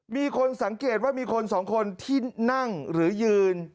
มีคนสังเกตว่ามีคนสองคนที่นั่งหรือยืน